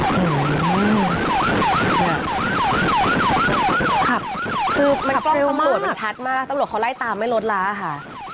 ขับคือตำรวจมันชัดมากตำรวจเขาไล่ตามไม่รถล้าค่ะ